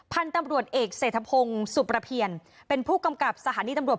พันธุ์ตำรวจเอกเศรษฐพงศ์สุประเพียรเป็นผู้กำกับสถานีตำรวจ